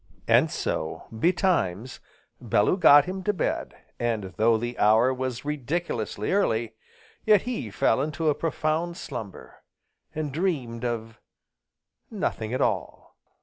And so, betimes, Bellew got him to bed, and, though the hour was ridiculously early, yet he fell into a profound slumber, and dreamed of nothing at all.